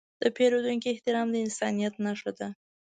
د پیرودونکي احترام د انسانیت نښه ده.